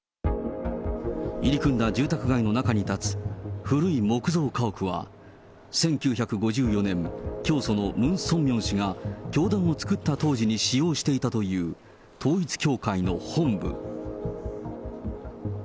入り組んだ住宅街の中に建つ、古い木造家屋は、１９５４年、教祖のムン・ソンミョン氏が教団を作った当時に使用していたという、統一教会の本部。